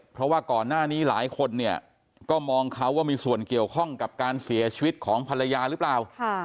เพราะว่าก่อนหน้านี้หลายคนเนี่ยก็มองเขาว่ามีส่วนเกี่ยวข้องกับการเสียชีวิตของภรรยาหรือเปล่า